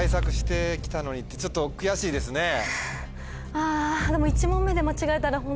あぁでも。